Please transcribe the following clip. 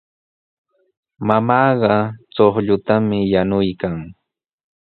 Mamaaqa chuqllutami yanuykan.